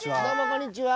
こんにちは。